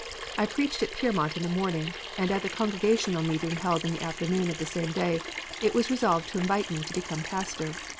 I preached at Piermont in the morning, and at the Congregational meeting held in the afternoon of the same day it was resolved to invite me to become pastor.